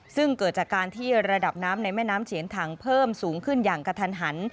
ซึ่งเกิดจากการที่ระดับน้ำในแม่น้ำเฉียนถังเพิ่มสูงขึ้นอย่างกระทันหัน